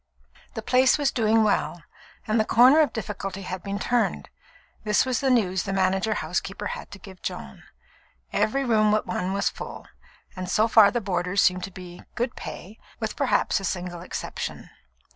The place was doing well, and the corner of difficulty had been turned; this was the news the manager housekeeper had to give Joan. Every room but one was full, and so far the boarders seemed to be "good pay," with perhaps a single exception.